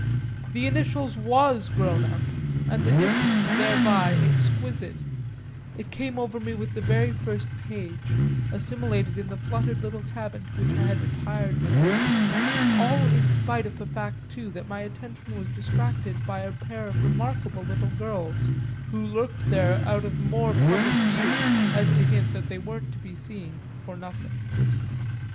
The Initials was grown up and the difference thereby exquisite; it came over me with the very first page, assimilated in the fluttered little cabin to which I had retired with it all in spite of the fact too that my attention was distracted by a pair of remarkable little girls who lurked there out of more public view as to hint that they weren't to be seen for nothing.